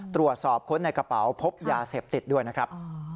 ตรวจสอบคนในกระเป๋าพบยาเสพติดด้วยนะครับ